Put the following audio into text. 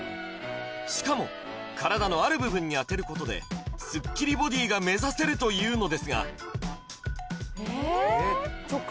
しかも体のある部分にあてることでスッキリボディが目指せるというのですがえっ？